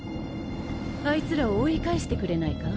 あいつらを追い返してくれないか？